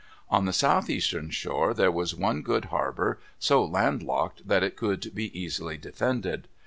On the southeastern shore there was one good harbor, so landlocked that it could be easily defended.